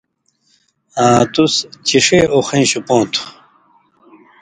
آں (تُس) چِݜے اُخَیں شُو پو تھہ۔